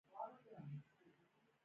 قوه په کومه نقطه کې واردیږي؟